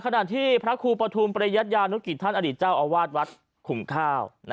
ขณะที่พระครูปฐุมประยัตยานุกิจท่านอดีตเจ้าอาวาสวัดขุมข้าว